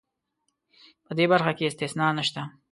په دې برخه کې استثنا نشته.